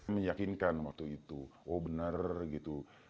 menyakinkan waktu itu oh bener gitu